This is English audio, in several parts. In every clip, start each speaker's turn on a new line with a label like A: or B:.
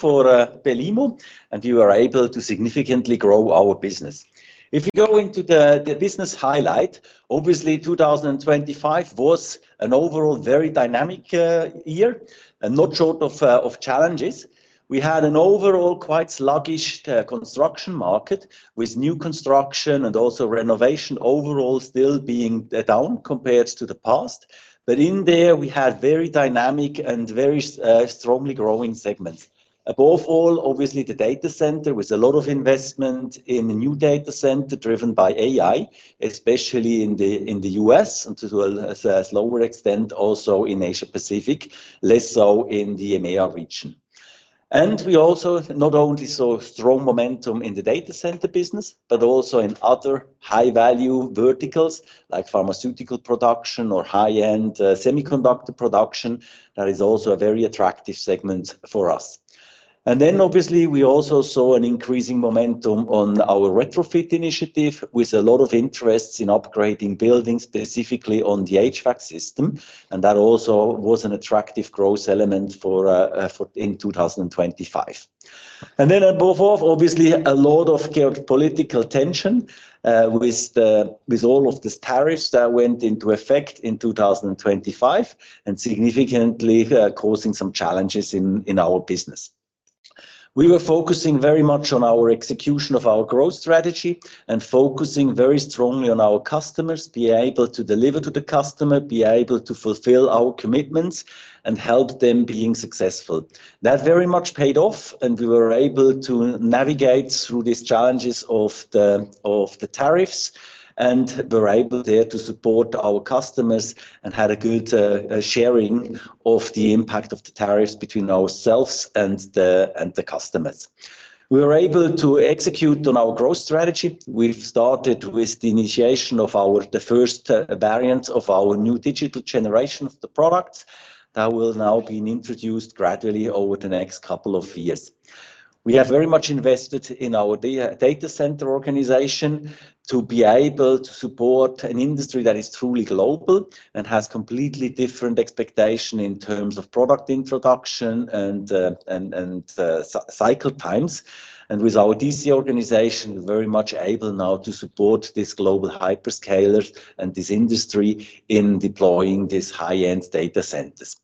A: For BELIMO, and you are able to significantly grow our business. If we go into the business highlight, obviously 2025 was an overall very dynamic year and not short of challenges. We had an overall quite sluggish construction market with new construction and also renovation overall still being down compared to the past. But in there, we had very dynamic and very strongly growing segments. Above all, obviously the data center with a lot of investment in the new data center driven by AI, especially in the U.S., and to a lower extent also in Asia Pacific, less so in the EMEA region. And we also not only saw strong momentum in the data center business, but also in other high-value verticals like pharmaceutical production or high-end semiconductor production. That is also a very attractive segment for us. And then obviously we also saw an increasing momentum on our RetroFIT initiative with a lot of interests in upgrading buildings specifically on the HVAC system. And that also was an attractive growth element for in 2025. And then above all, obviously a lot of geopolitical tension with all of the tariffs that went into effect in 2025 and significantly causing some challenges in our business. We were focusing very much on our execution of our growth strategy and focusing very strongly on our customers, being able to deliver to the customer, being able to fulfill our commitments and help them being successful. That very much paid off, and we were able to navigate through these challenges of the tariffs and were able there to support our customers and had a good sharing of the impact of the tariffs between ourselves and the customers. We were able to execute on our growth strategy. We've started with the initiation of the first variant of our new digital generation of the products that will now be introduced gradually over the next couple of years. We have very much invested in our data center organization to be able to support an industry that is truly global and has completely different expectations in terms of product introduction and cycle times. And with our DC organization, we're very much able now to support this global hyperscalers and this industry in deploying these high-end data centers.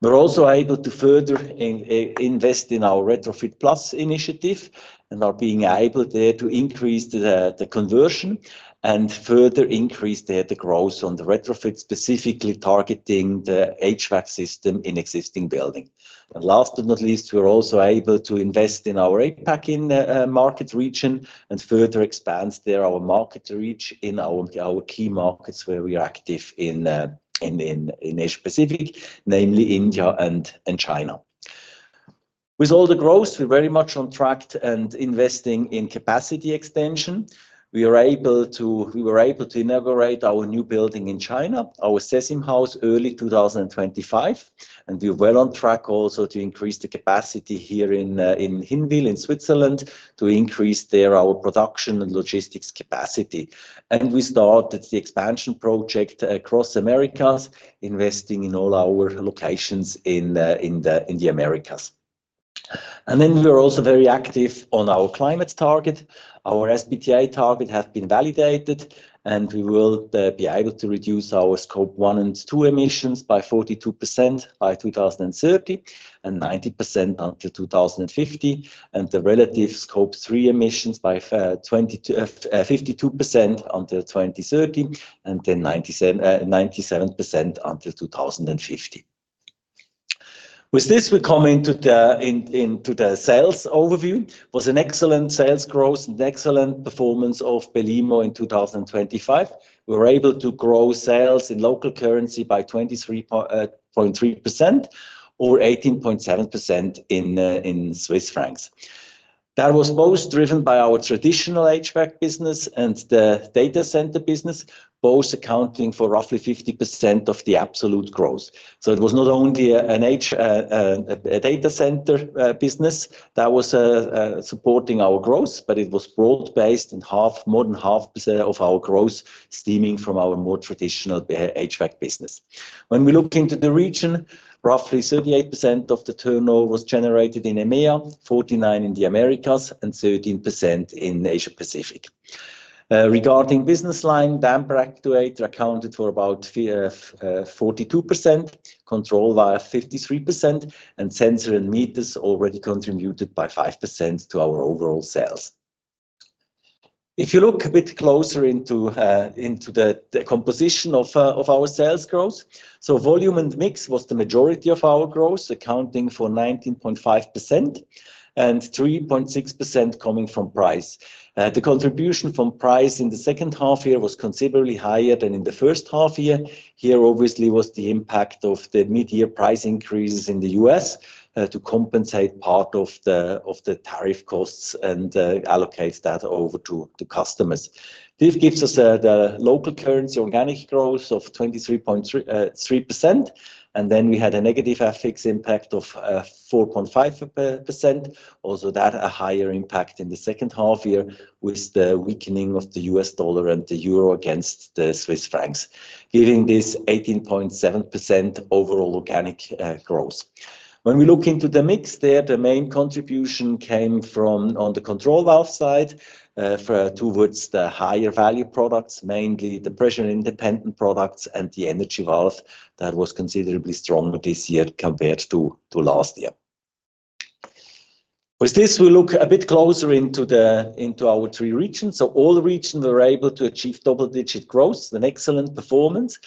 A: We're also able to further invest in our RetroFIT+ initiative and are being able there to increase the conversion and further increase there the growth on the RetroFIT, specifically targeting the HVAC system in existing building. And last but not least, we're also able to invest in our APAC market region and further expand there our market reach in our key markets where we are active in Asia Pacific, namely India and China. With all the growth, we're very much on track and investing in capacity extension. We were able to inaugurate our new building in China, our CESIM House, early 2025, and we're well on track also to increase the capacity here in Hinwil in Switzerland to increase there our production and logistics capacity. We started the expansion project across America, investing in all our locations in the Americas. Then we're also very active on our climate target. Our SBTi target has been validated, and we will be able to reduce our Scope 1 and 2 emissions by 42% by 2030 and 90% until 2050, and the relative Scope 3 emissions by 52% until 2030 and then 97% until 2050. With this, we come into the sales overview. It was an excellent sales growth and excellent performance of BELIMO in 2025. We were able to grow sales in local currency by 23.3% or 18.7% in Swiss francs. That was both driven by our traditional HVAC business and the data center business, both accounting for roughly 50% of the absolute growth. So it was not only a data center business that was supporting our growth, but it was broad-based and more than half of our growth stemming from our more traditional HVAC business. When we look into the region, roughly 38% of the turnover was generated in EMEA, 49% in the Americas, and 13% in Asia Pacific. Regarding business line, damper actuators accounted for about 42%, control valves 53%, and sensors and meters already contributed by 5% to our overall sales. If you look a bit closer into the composition of our sales growth, so volume and mix was the majority of our growth, accounting for 19.5% and 3.6% coming from price. The contribution from price in the second half year was considerably higher than in the first half year. Here, obviously, was the impact of the mid-year price increases in the U.S. to compensate part of the tariff costs and allocate that over to customers. This gives us the local currency organic growth of 23.3%, and then we had a negative FX impact of 4.5%. Also, that a higher impact in the second half year with the weakening of the U.S. dollar and the euro against the Swiss francs, giving this 18.7% overall organic growth. When we look into the mix, there the main contribution came from on the control valve side towards the higher value products, mainly the pressure independent products and the Energy Valve that was considerably stronger this year compared to last year. With this, we look a bit closer into our three regions, so all regions were able to achieve double-digit growth and excellent performance.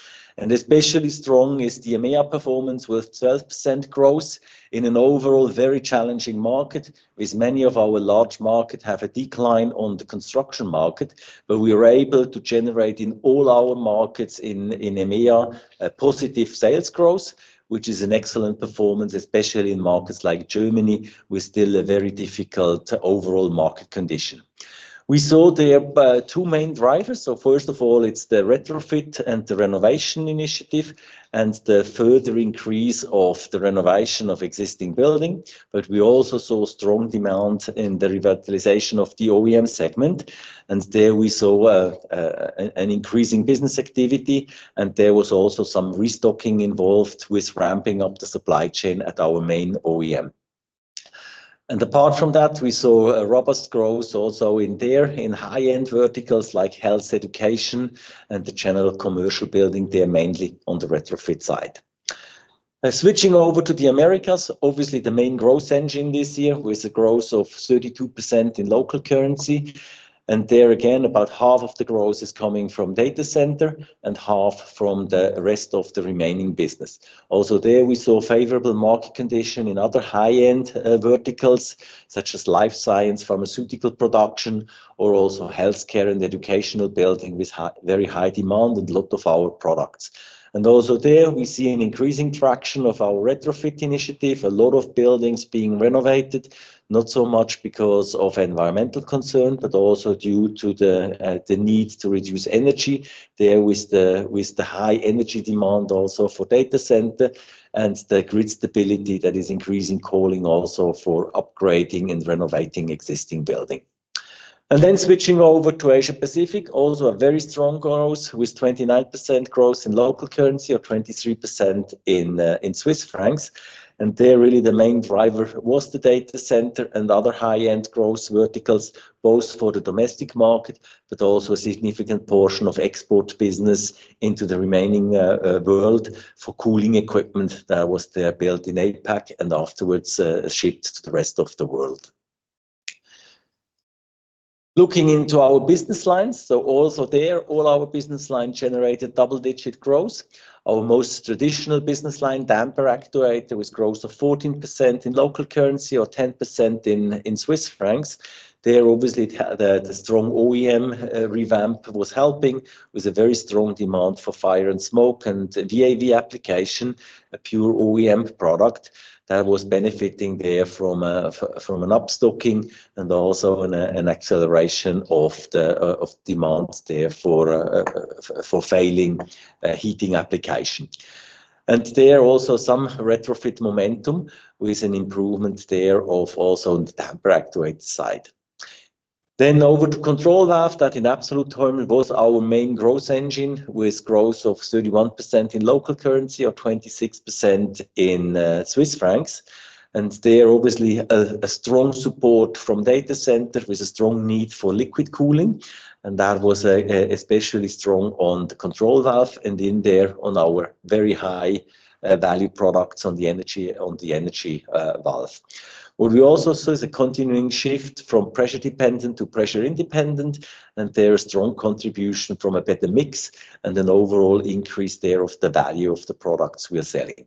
A: Especially strong is the EMEA performance with 12% growth in an overall very challenging market, with many of our large markets having a decline on the construction market, but we were able to generate in all our markets in EMEA positive sales growth, which is an excellent performance, especially in markets like Germany, with still a very difficult overall market condition. We saw there two main drivers. First of all, it's the RetroFIT and the renovation initiative and the further increase of the renovation of existing building. We also saw strong demand in the revitalization of the OEM segment. There we saw an increasing business activity, and there was also some restocking involved with ramping up the supply chain at our main OEM. Apart from that, we saw robust growth also in there in high-end verticals like health education and the general commercial building there, mainly on the RetroFIT side. Switching over to the Americas, obviously the main growth engine this year with a growth of 32% in local currency. There again, about half of the growth is coming from data center and half from the rest of the remaining business. Also there, we saw favorable market condition in other high-end verticals such as life science, pharmaceutical production, or also healthcare and educational building with very high demand and a lot of our products. And also there, we see an increasing traction of our RetroFIT initiative, a lot of buildings being renovated, not so much because of environmental concerns, but also due to the need to reduce energy there with the high energy demand also for data center and the grid stability that is increasing, calling also for upgrading and renovating existing building. And then switching over to Asia Pacific, also a very strong growth with 29% growth in local currency or 23% in Swiss francs. And there really the main driver was the data center and other high-end growth verticals, both for the domestic market, but also a significant portion of export business into the remaining world for cooling equipment that was built in APAC and afterwards shipped to the rest of the world. Looking into our business lines, so also there, all our business line generated double-digit growth. Our most traditional business line, damper actuator, with growth of 14% in local currency or 10% in CHF. There, obviously, the strong OEM ramp-up was helping with a very strong demand for fire and smoke and VAV application, a pure OEM product that was benefiting there from a restocking and also an acceleration of the demand there for fan coil heating application, and there also some RetroFIT momentum with an improvement there of also on the damper actuator side. Over to control valve that in absolute terms was our main growth engine with growth of 31% in local currency or 26% in Swiss francs, and there, obviously, a strong support from data center with a strong need for liquid cooling, and that was especially strong on the control valve and in there on our very high-value products on the Energy Valve. What we also saw is a continuing shift from pressure dependent to pressure independent, and there is strong contribution from a better mix and an overall increase there of the value of the products we are selling.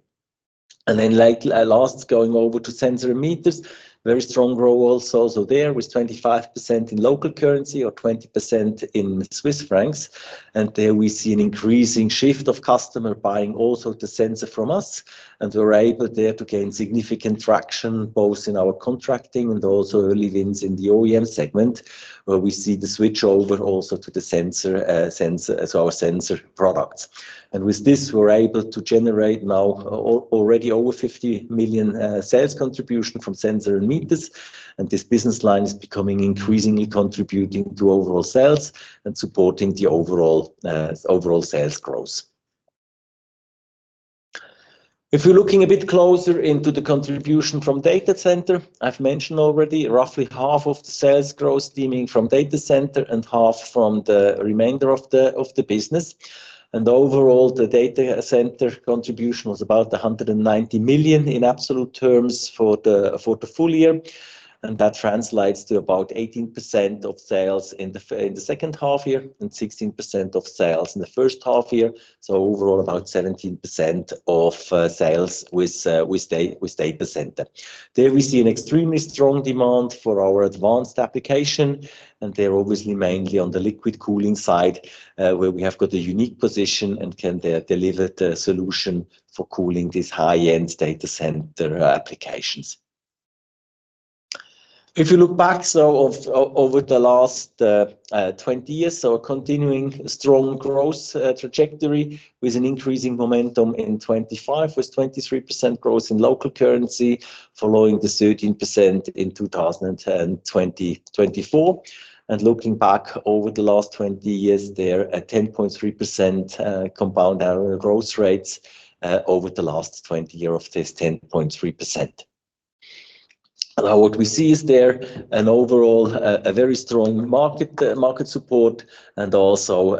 A: And then last, going over to sensor and meters, very strong growth also, so there with 25% in local currency or 20% in Swiss francs. And there we see an increasing shift of customer buying also the sensor from us. And we were able there to gain significant traction both in our contracting and also early wins in the OEM segment, where we see the switch over also to the sensor as our sensor products. And with this, we were able to generate now already over 50 million sales contribution from sensor and meters. And this business line is becoming increasingly contributing to overall sales and supporting the overall sales growth. If we're looking a bit closer into the contribution from data center, I've mentioned already roughly half of the sales growth stemming from data center and half from the remainder of the business. Overall, the data center contribution was about 190 million in absolute terms for the full year. That translates to about 18% of sales in the second half year and 16% of sales in the first half year. Overall, about 17% of sales with data center. There we see an extremely strong demand for our advanced application. They're obviously mainly on the liquid cooling side, where we have got a unique position and can deliver the solution for cooling these high-end data center applications. If you look back, so over the last 20 years, so a continuing strong growth trajectory with an increasing momentum in 2025 with 23% growth in local currency following the 13% in 2024, and looking back over the last 20 years, there are 10.3% compound growth rates over the last 20 years of this 10.3%. Now, what we see is there an overall very strong market support and also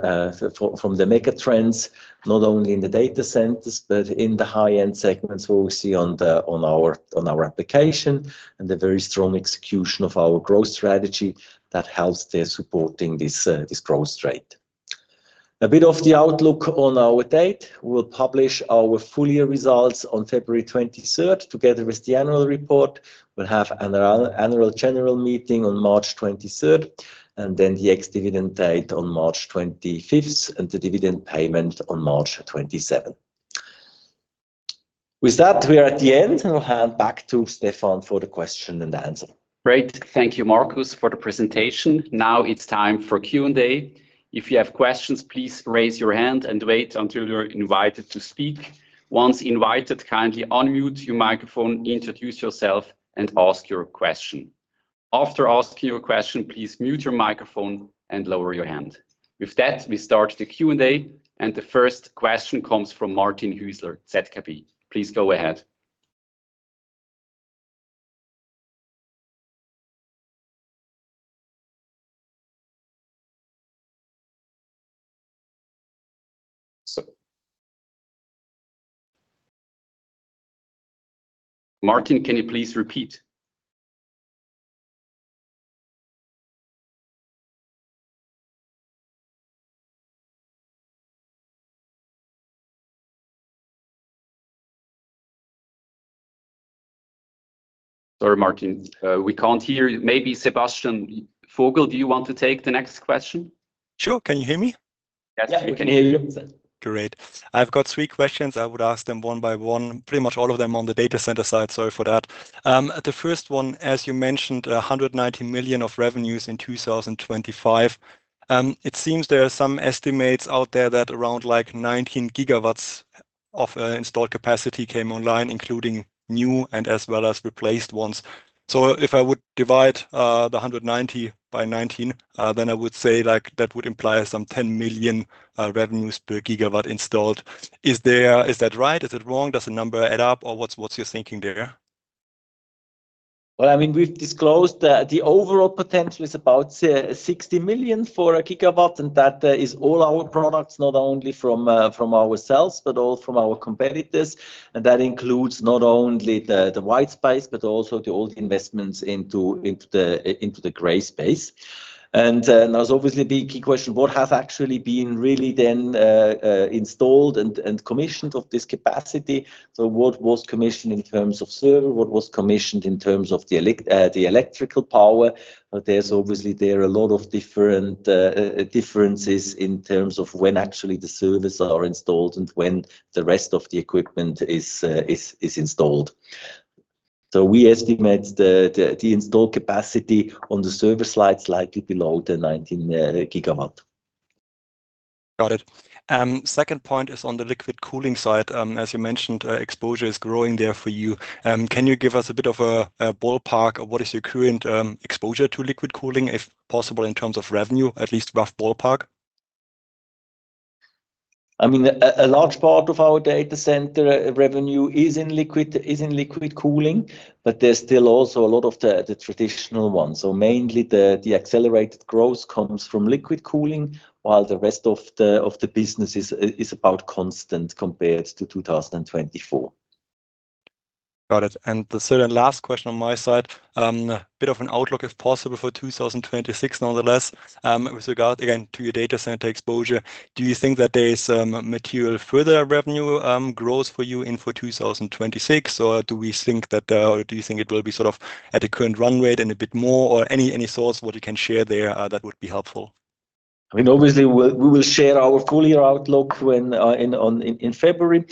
A: from the mega trends, not only in the data centers, but in the high-end segments where we see on our application and the very strong execution of our growth strategy that helps there supporting this growth rate. A bit of the outlook on our data, we'll publish our full year results on February 23rd together with the annual report. We'll have an annual general meeting on March 23rd, and then the ex-dividend date on March 25th and the dividend payment on March 27th. With that, we are at the end, and I'll hand back to Stefan for the question and answer.
B: Great. Thank you, Markus, for the presentation. Now it's time for Q&A. If you have questions, please raise your hand and wait until you're invited to speak. Once invited, kindly unmute your microphone, introduce yourself, and ask your question. After asking your question, please mute your microphone and lower your hand. With that, we start the Q&A, and the first question comes from Martin Hüsler, ZKB. Please go ahead. Martin, can you please repeat? Sorry, Martin, we can't hear. Maybe Sebastian Vogel, do you want to take the next question?
C: Sure. Can you hear me?
A: Yes, we can hear you.
C: Great. I've got three questions. I would ask them one by one, pretty much all of them on the data center side. Sorry for that. The first one, as you mentioned, 190 million of revenues in 2025. It seems there are some estimates out there that around like 19 GW of installed capacity came online, including new and as well as replaced ones. So if I would divide the 190 by 19, then I would say that would imply some 10 million revenues per gigawatt installed. Is that right? Is it wrong? Does the number add up, or what's your thinking there?
A: Well, I mean, we've disclosed that the overall potential is about 60 million for a gigawatt, and that is all our products, not only from ourselves, but also from our competitors. And that includes not only the white space, but also the old investments into the gray space. And that was obviously a big question. What has actually been really then installed and commissioned of this capacity? So what was commissioned in terms of server? What was commissioned in terms of the electrical power? There are obviously a lot of differences in terms of when actually the servers are installed and when the rest of the equipment is installed. So we estimate the installed capacity on the server slides slightly below the 19 GW.
C: Got it. Second point is on the liquid cooling side. As you mentioned, exposure is growing there for you. Can you give us a bit of a ballpark of what is your current exposure to liquid cooling, if possible, in terms of revenue, at least rough ballpark?
A: I mean, a large part of our data center revenue is in liquid cooling, but there's still also a lot of the traditional ones. So mainly the accelerated growth comes from liquid cooling, while the rest of the business is about constant compared to 2024.
C: Got it, and the third and last question on my side, a bit of an outlook, if possible, for 2026 nonetheless, with regard again to your data center exposure. Do you think that there's material further revenue growth for you in for 2026, or do we think that, or do you think it will be sort of at a current run rate and a bit more, or any source what you can share there that would be helpful?
A: I mean, obviously, we will share our full year outlook in February,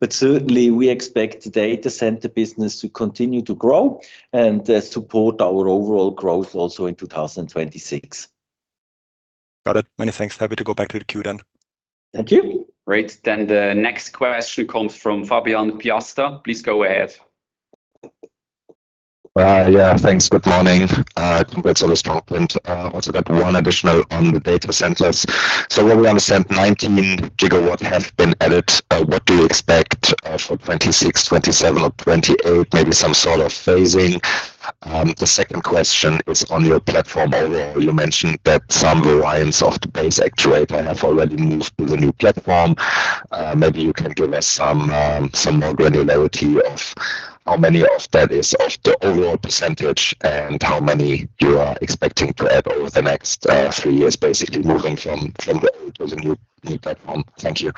A: but certainly we expect the data center business to continue to grow and support our overall growth also in 2026.
C: Got it. Many thanks. Happy to go back to the queue then.
B: Thank you. Great. Then the next question comes from Fabian Piasta. Please go ahead.
D: Yeah, thanks. Good morning. Congrats on the start. Also got one additional on the data centers. So what we understand, 19 GW have been added. What do you expect for 2026, 2027, or 2028, maybe some sort of phasing? The second question is on your platform overall. You mentioned that some variants of the base actuator have already moved to the new platform. Maybe you can give us some more granularity of how many of that is of the overall percentage and how many you are expecting to add over the next three years, basically moving from the old to the new platform. Thank you.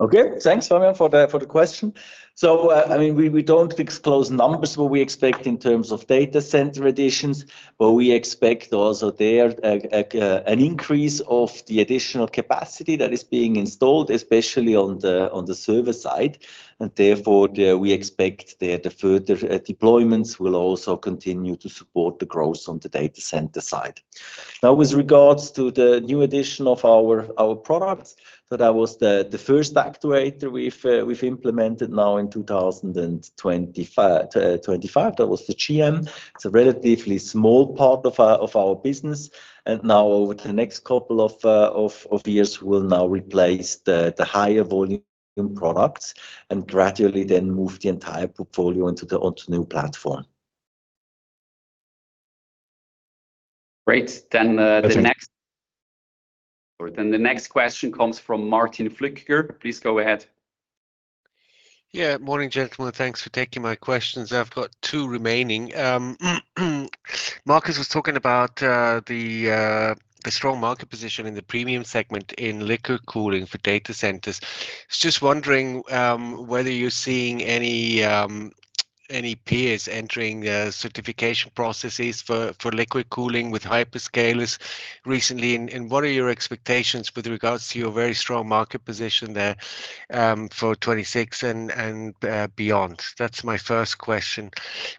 A: Okay. Thanks, Fabian, for the question. So I mean, we don't disclose numbers what we expect in terms of data center additions, but we expect also there an increase of the additional capacity that is being installed, especially on the server side. And therefore, we expect there the further deployments will also continue to support the growth on the data center side. Now, with regards to the new addition of our products, that was the first actuator we've implemented now in 2025. That was the GM. It's a relatively small part of our business. And now, over the next couple of years, we'll now replace the higher volume products and gradually then move the entire portfolio onto the new platform.
B: Great. Then the next question comes from Martin Flückiger. Please go ahead.
E: Yeah. Morning, gentlemen. Thanks for taking my questions. I've got two remaining. Markus was talking about the strong market position in the premium segment in liquid cooling for data centers. Just wondering whether you're seeing any peers entering the certification processes for liquid cooling with hyperscalers recently, and what are your expectations with regards to your very strong market position there for 2026 and beyond? That's my first question.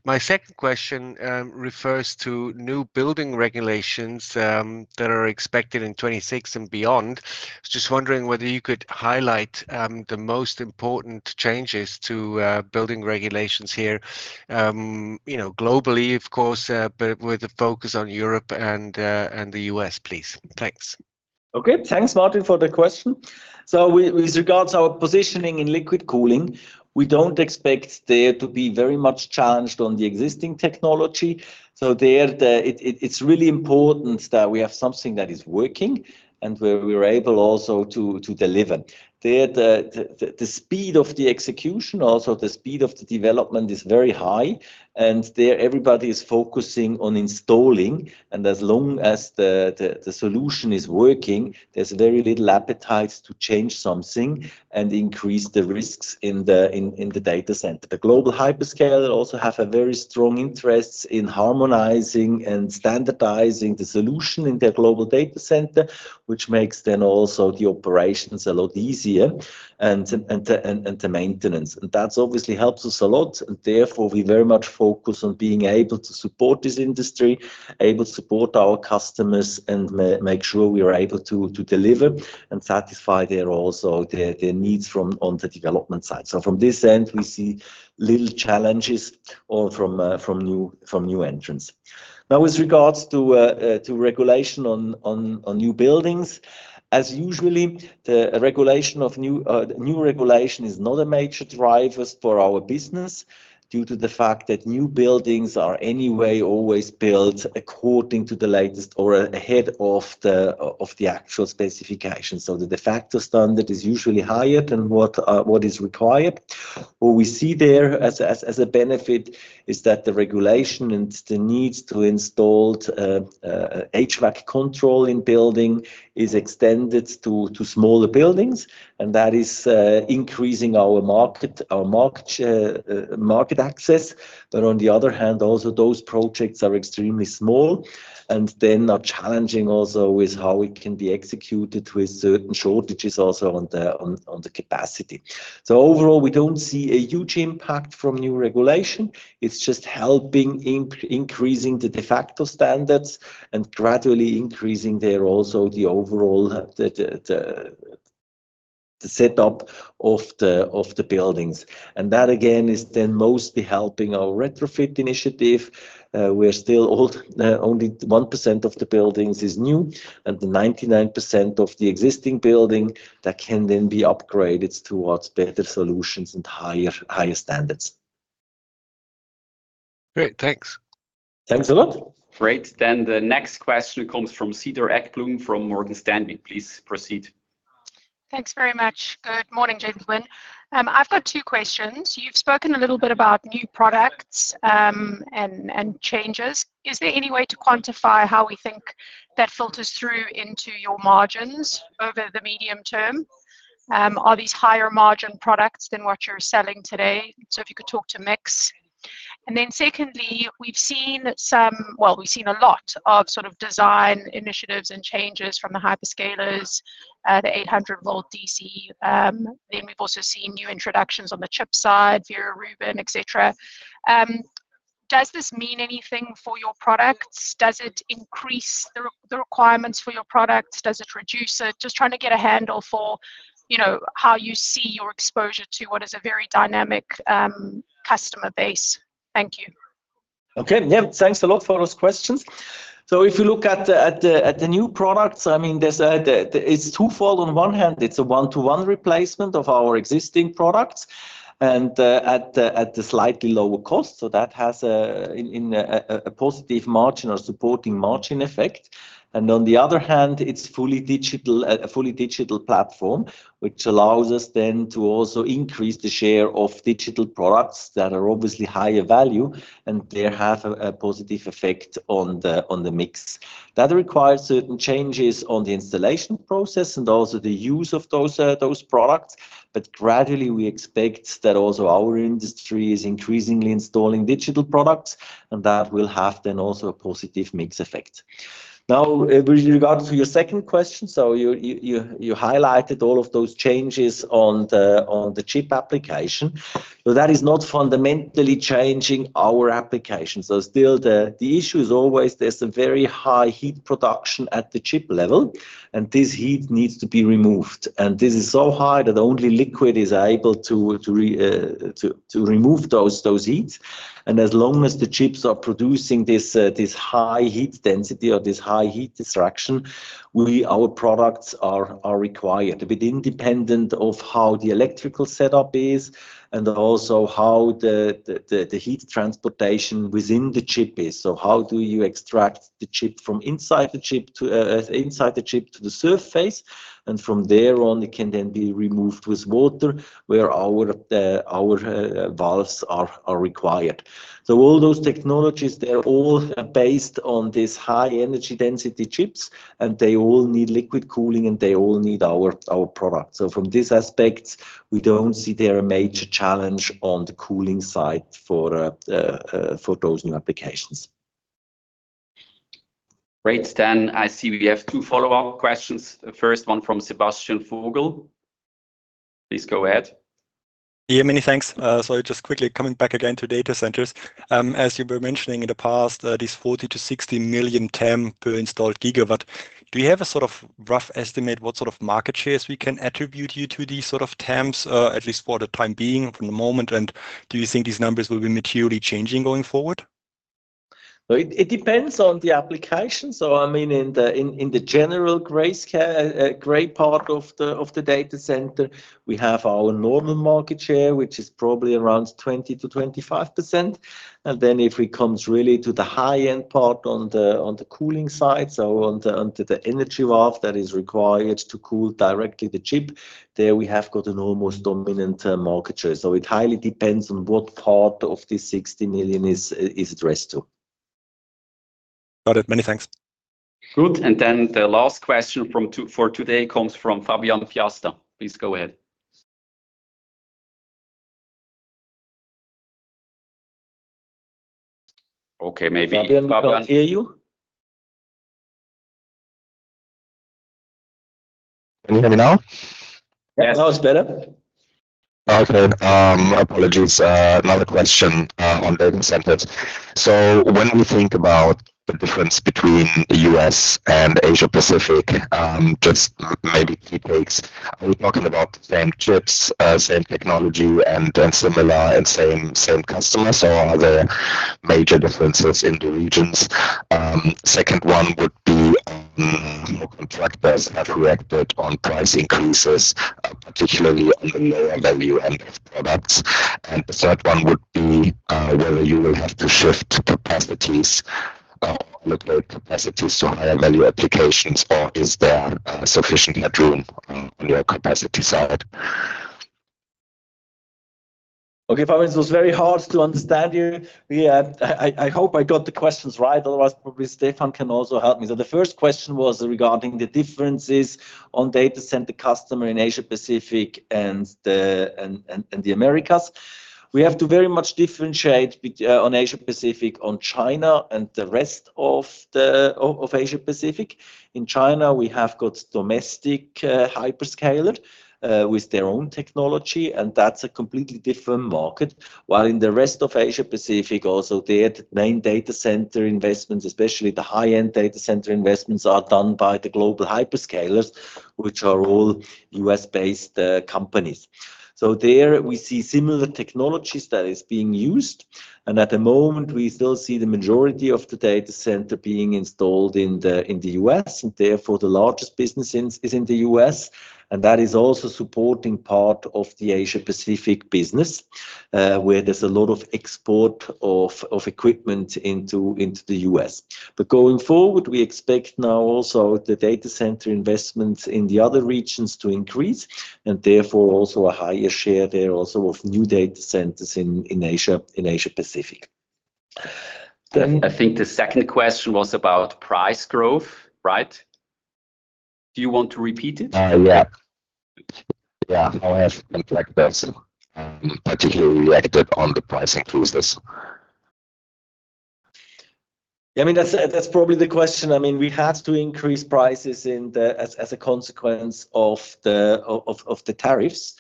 E: My second question refers to new building regulations that are expected in 2026 and beyond. Just wondering whether you could highlight the most important changes to building regulations here, globally, of course, but with a focus on Europe and the U.S., please. Thanks.
A: Okay. Thanks, Martin, for the question. So with regards to our positioning in liquid cooling, we don't expect there to be very much challenged on the existing technology. So there, it's really important that we have something that is working and where we are able also to deliver. There, the speed of the execution, also the speed of the development is very high, and there everybody is focusing on installing. And as long as the solution is working, there's very little appetite to change something and increase the risks in the data center. The global hyperscaler also has a very strong interest in harmonizing and standardizing the solution in their global data center, which makes then also the operations a lot easier and the maintenance. And that obviously helps us a lot. Therefore, we very much focus on being able to support this industry, able to support our customers and make sure we are able to deliver and satisfy there also the needs from the development side. From this end, we see little challenges from new entrants. Now, with regards to regulation on new buildings, as usual, the regulation of new regulation is not a major driver for our business due to the fact that new buildings are anyway always built according to the latest or ahead of the actual specifications. The de facto standard is usually higher than what is required. What we see there as a benefit is that the regulation and the needs to install HVAC control in building is extended to smaller buildings, and that is increasing our market access. But, on the other hand, also those projects are extremely small and then are challenging also with how it can be executed with certain shortages also on the capacity. So, overall, we don't see a huge impact from new regulation. It's just helping increasing the de facto standards and gradually increasing there also the overall setup of the buildings. And that again is then mostly helping our RetroFIT initiative. We're still only 1% of the buildings is new, and 99% of the existing building that can then be upgraded towards better solutions and higher standards.
E: Great. Thanks.
A: Thanks a lot.
B: Great. Then the next question comes from Cedar Ekblom from Morgan Stanley. Please proceed.
F: Thanks very much. Good morning, gentlemen. I've got two questions. You've spoken a little bit about new products and changes. Is there any way to quantify how we think that filters through into your margins over the medium term? Are these higher margin products than what you're selling today? So if you could talk to mix. And then secondly, we've seen some, well, we've seen a lot of sort of design initiatives and changes from the hyperscalers, the 800-volt DC. Then we've also seen new introductions on the chip side, Vera Rubin, etc. Does this mean anything for your products? Does it increase the requirements for your products? Does it reduce it? Just trying to get a handle for how you see your exposure to what is a very dynamic customer base. Thank you.
A: Okay. Yeah. Thanks a lot for those questions. So if you look at the new products, I mean, it's twofold. On one hand, it's a one-to-one replacement of our existing products and at a slightly lower cost. So that has a positive margin or supporting margin effect. And on the other hand, it's a fully digital platform, which allows us then to also increase the share of digital products that are obviously higher value, and they have a positive effect on the mix. That requires certain changes on the installation process and also the use of those products. But gradually, we expect that also our industry is increasingly installing digital products, and that will have then also a positive mix effect. Now, with regards to your second question, so you highlighted all of those changes on the chip application. So that is not fundamentally changing our application. Still, the issue is always there's a very high heat production at the chip level, and this heat needs to be removed. This is so high that only liquid is able to remove that heat. As long as the chips are producing this high heat density or this high heat dissipation, our products are required. A bit independent of how the electrical setup is and also how the heat transportation within the chip is. How do you extract the heat from inside the chip to the surface? From there on, it can then be removed with water where our valves are required. All those technologies, they're all based on these high energy density chips, and they all need liquid cooling, and they all need our products. So from this aspect, we don't see there a major challenge on the cooling side for those new applications.
B: Great. Then I see we have two follow-up questions. First one from Sebastian Vogel. Please go ahead.
C: Yeah, many thanks. So just quickly coming back again to data centers. As you were mentioning in the past, these 40 million-60 million TAM per installed gigawatt, do you have a sort of rough estimate what sort of market shares we can attribute to these sort of TAMs, at least for the time being from the moment? And do you think these numbers will be materially changing going forward?
A: So it depends on the application. So I mean, in the general gray part of the data center, we have our normal market share, which is probably around 20%-25%. And then if we come really to the high-end part on the cooling side, so onto the Energy Valve that is required to cool directly the chip, there we have got an almost dominant market share. So it highly depends on what part of these 60 million is addressed to.
C: Got it. Many thanks.
B: Good. And then the last question for today comes from Fabian Piasta. Please go ahead. Okay. Maybe.
A: Fabian, we can't hear you.
D: Can you hear me now?
A: Yes. Now it's better.
D: Okay. Apologies. Another question on data centers. So when we think about the difference between the U.S. and Asia-Pacific, just maybe key takes, are we talking about the same chips, same technology, and similar and same customers? Or are there major differences in the regions? Second one would be how contractors have reacted on price increases, particularly on the lower value end of products. And the third one would be whether you will have to shift capacities, locate capacities to higher value applications, or is there sufficient headroom on your capacity side?
A: Okay, Fabian, it was very hard to understand you. I hope I got the questions right. Otherwise, probably Stefan can also help me. So the first question was regarding the differences on data center customer in Asia-Pacific and the Americas. We have to very much differentiate on Asia-Pacific on China and the rest of Asia-Pacific. In China, we have got domestic hyperscalers with their own technology, and that's a completely different market. While in the rest of Asia-Pacific, also there, the main data center investments, especially the high-end data center investments, are done by the global hyperscalers, which are all U.S.-based companies. So there we see similar technologies that are being used. And at the moment, we still see the majority of the data center being installed in the U.S., and therefore the largest business is in the U.S. That is also a supporting part of the Asia-Pacific business where there's a lot of export of equipment into the U.S. But going forward, we expect now also the data center investments in the other regions to increase, and therefore also a higher share there also of new data centers in Asia-Pacific.
B: I think the second question was about price growth, right? Do you want to repeat it?
D: How has the contract person particularly reacted on the price increases?
A: Yeah. I mean, that's probably the question. I mean, we had to increase prices as a consequence of the tariffs.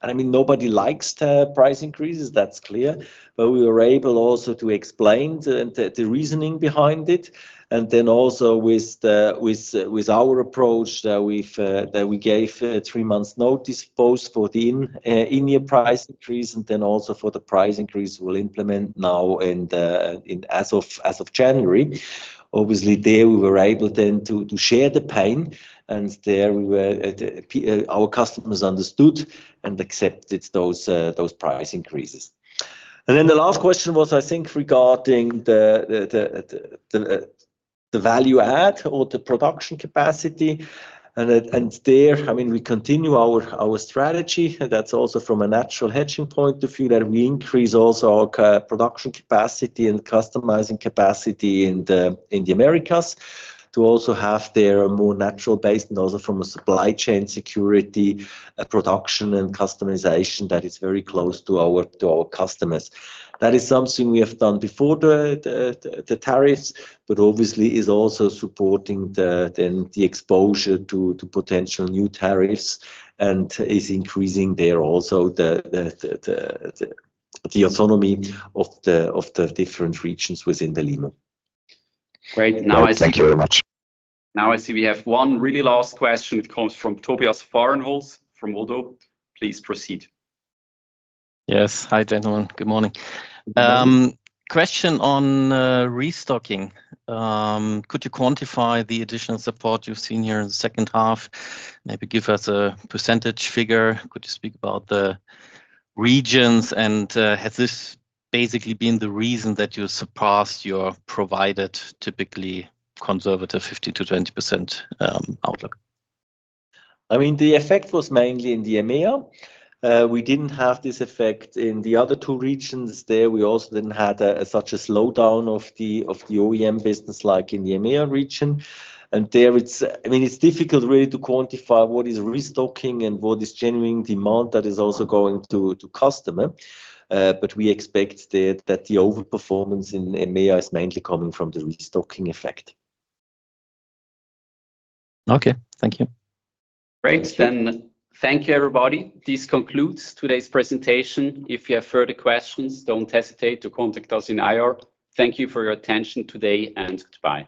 A: And I mean, nobody likes price increases. That's clear. But we were able also to explain the reasoning behind it. And then also with our approach, we gave a three-month notice both for the in-year price increase and then also for the price increase we'll implement now as of January. Obviously, there we were able then to share the pain, and there our customers understood and accepted those price increases. And then the last question was, I think, regarding the value-add or the production capacity. And there, I mean, we continue our strategy. That's also from a natural hedging point of view that we increase also our production capacity and customizing capacity in the Americas to also have there a more natural base and also from a supply chain security production and customization that is very close to our customers. That is something we have done before the tariffs, but obviously is also supporting then the exposure to potential new tariffs and is increasing there also the autonomy of the different regions within BELIMO.
B: Great. Now I see.
D: Thank you very much.
B: Now I see we have one really last question. It comes from Tobias Fahrenholz from ODDO. Please proceed.
G: Yes. Hi, gentlemen. Good morning. Question on restocking. Could you quantify the additional support you've seen here in the second half? Maybe give us a percentage figure. Could you speak about the regions? And has this basically been the reason that you surpassed your provided typically conservative 15%-20% outlook?
A: I mean, the effect was mainly in the EMEA. We didn't have this effect in the other two regions. There we also didn't have such a slowdown of the OEM business like in the EMEA region. And there, I mean, it's difficult really to quantify what is restocking and what is genuine demand that is also going to customer. But we expect that the overperformance in EMEA is mainly coming from the restocking effect.
G: Okay. Thank you.
B: Great. Then thank you, everybody. This concludes today's presentation. If you have further questions, don't hesitate to contact us in IR. Thank you for your attention today, and goodbye.